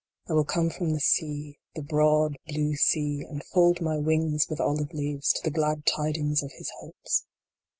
I will come from the sea the broad blue sea and fold my wings with olive leaves to the glad tidings of his hopes